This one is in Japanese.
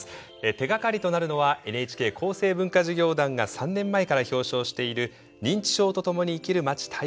手がかりとなるのはＮＨＫ厚生文化事業団が３年前から表彰している「認知症とともに生きるまち大賞」です。